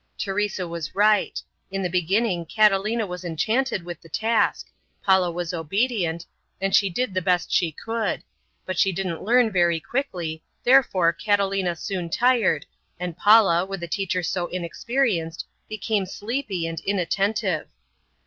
Teresa was right In the beginning Catalina was enchanted with the task. Paula was obedient, and she did the best she could; but she didn't learn very quickly, therefore Catalina soon tired, and Paula, with a teacher so inexperienced, became sleepy and inattentive.